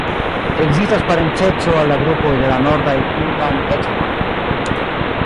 Ekzistas parenceco al la grupo de la nordaj gunang-etnoj.